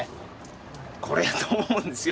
これやと思うんですよ。